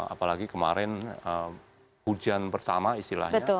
apalagi kemarin hujan pertama istilahnya